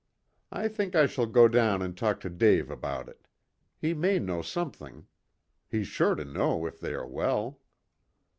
I think I shall go down and talk to Dave about it. He may know something. He's sure to know if they are well."